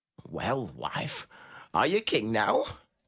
"Well, wife, are you King now?"